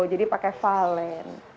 jadi pakai follen